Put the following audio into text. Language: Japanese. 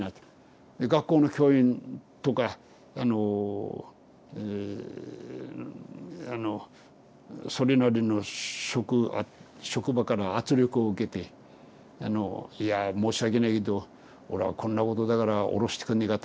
学校の教員とかあのえあのそれなりの職場から圧力を受けて「いやぁ申し訳ないけどおらこんなことだから降ろしてくんねぇか」。